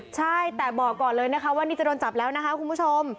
ใช่แต่บอกก่อนเลยนะคะว่านี่จะโดนจับแล้วนะคะคุณผู้ชม